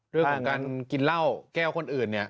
เรื่องของการกินเหล้าแก้วคนอื่นเนี่ย